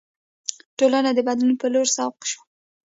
ټولنه د بدلون په لور سوق شوه.